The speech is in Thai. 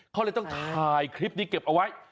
เขาเลยต้องถ่ายคลิปนี้เก็บเอาไว้